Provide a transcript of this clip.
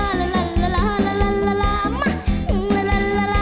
โฮลาเลโฮลาเลโฮลาเล